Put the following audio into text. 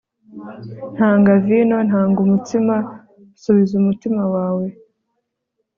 tanga vino. tanga umutsima. subiza umutima wawe